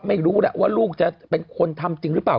ไม่รู้แหละว่าลูกจะเป็นคนทำจริงหรือเปล่า